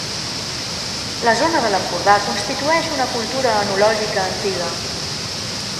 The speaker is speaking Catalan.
La zona de l'Empordà constitueix una cultura enològica antiga.